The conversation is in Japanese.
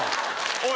おい！